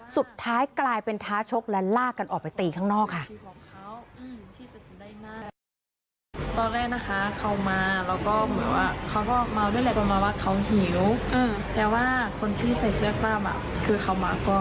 สุดท้ายกลายเป็นท้าชกและลากกันออกไปตีข้างนอกค่ะ